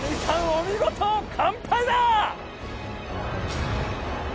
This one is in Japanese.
お見事完敗だ！